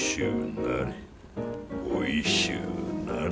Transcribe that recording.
おいしゅうなれ。